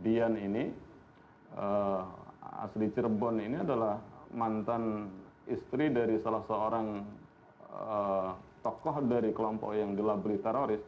dian ini asli cirebon ini adalah mantan istri dari salah seorang tokoh dari kelompok yang gelabeli teroris